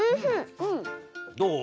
どう？